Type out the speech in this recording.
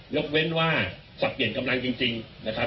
ยกเว้นว่าสับเปลี่ยนกำลังจริงนะครับ